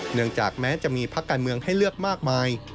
เนื่องจากแม้จะมีพักการเมืองให้เลือกมากมาย